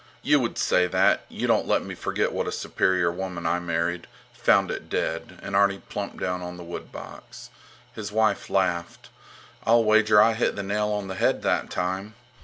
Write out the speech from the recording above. You would say that! You don't let me forget what a superior woman I married! Found it dead! And Arni plumped down on the woodbox. His wife laughed. I'll wager I hit the nail on the head that time!